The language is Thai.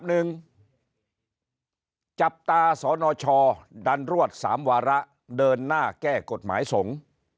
หนึ่งจับตาสนชดันรวดสามวาระเดินหน้าแก้กฎหมายสงฆ์